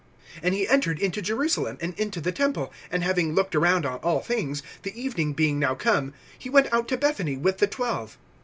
(11)And he entered into Jerusalem, and into the temple; and having looked around on all things, the evening being now come, he went out to Bethany with the twelve.